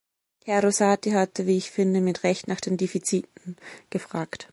Herr Rosati hatte, wie ich finde, mit Recht nach den Defiziten gefragt.